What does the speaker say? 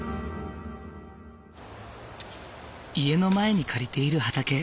家の前に借りている畑。